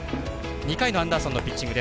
２回のアンダーソンのピッチング。